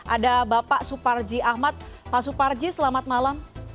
ada bapak suparji ahmad pak suparji selamat malam